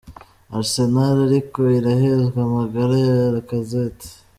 Arsenal iriko irihweza amagara ya Lacazette.